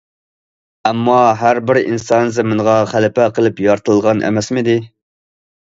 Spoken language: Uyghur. ئەمما ھەر بىر ئىنسان زېمىنغا خەلىپە قىلىپ يارىتىلغان ئەمەسمىدى؟!